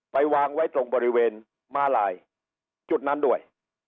วางไว้ตรงบริเวณม้าลายจุดนั้นด้วย